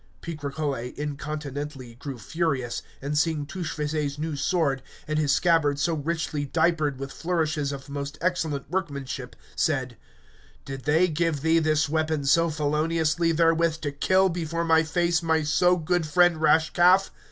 Picrochole incontinently grew furious, and seeing Touchfaucet's new sword and his scabbard so richly diapered with flourishes of most excellent workmanship, said, Did they give thee this weapon so feloniously therewith to kill before my face my so good friend Rashcalf?